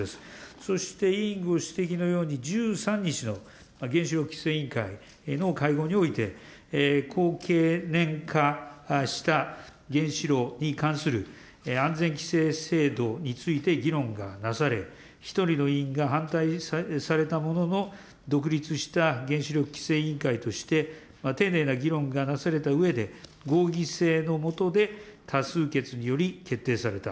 そして、委員ご指摘のように、１３日の原子力規制委員会の会合において、高経年化した原子炉に関する安全規制制度について議論がなされ、１人の委員が反対されたものの、独立した原子力規制委員会として丁寧な議論がなされたうえで、合議制の下で多数決により決定された。